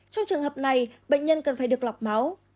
trong trường hợp này bệnh nhân cần phải được lọc máu